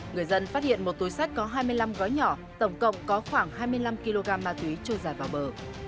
người dân phát hiện một túi sách có hai mươi năm gói nhỏ tổng cộng có khoảng hai mươi năm kg ma túy trôi giạt vào bờ